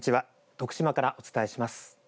徳島からお伝えします。